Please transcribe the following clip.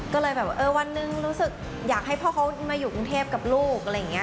ก็เลยวันนึงรู้สึกอยากให้พ่อเขามาอยู่กรุงเทพกับลูก